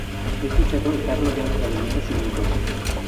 Este cerro está rodeado de leyendas y mitos.